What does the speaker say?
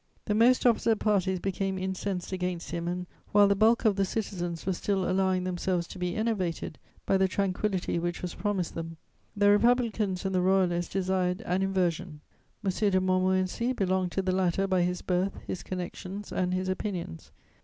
The most opposite parties became incensed against him and, while the bulk of the citizens were still allowing themselves to be enervated by the tranquillity which was promised them, the Republicans and the Royalists desired an inversion. M. de Montmorency belonged to the latter by his birth, his connections and his opinions.